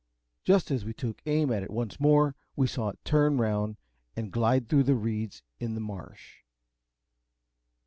Just as we took aim at it once more, we saw it turn round and glide through the reeds in the marsh.